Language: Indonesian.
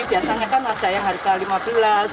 biasanya kan ada yang harga lima belas tujuh belas